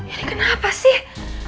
ini kenapa sih